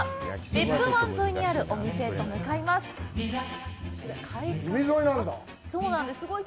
別府湾沿いにあるお店へと向かいます。